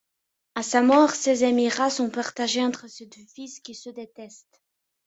À sa mort, ses émirats son partagés entre ses deux fils, qui se détestent.